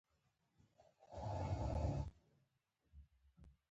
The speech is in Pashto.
کچالو له وازګو پاک دي